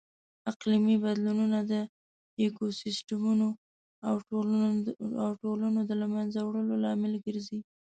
اقلیمي بدلونونه د ایکوسیسټمونو او ټولنو د لهمنځه وړلو لامل ګرځي.